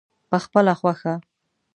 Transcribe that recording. پخپله خوښه.